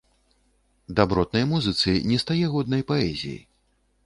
Дабротнай музыцы не стае годнай паэзіі.